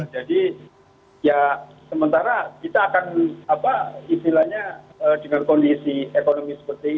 jadi ya sementara kita akan apa istilahnya dengan kondisi ekonomi seperti ini ya